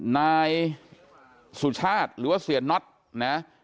นายสุชาติหรือว่าเสียน็อตนะ